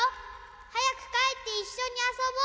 はやくかえっていっしょにあそぼう。